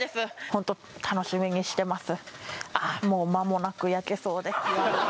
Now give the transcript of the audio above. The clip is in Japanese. ホント楽しみにしてます